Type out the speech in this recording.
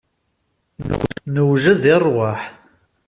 Newjed i rrwaḥ.